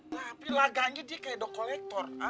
tapi laganya dia kayak the kolektor